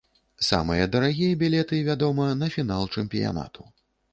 Самыя дарагія білеты, вядома, на фінал чэмпіянату.